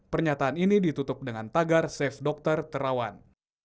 pernyataan ini ditutup dengan tagar safe dokter terawan